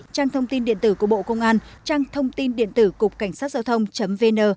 trang thông tin điện tử của bộ công an trang thông tin điện tử cục cảnh sát giao thông vn